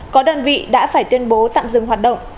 có đơn vị đã phải tuyên bố tạm dừng hoạt động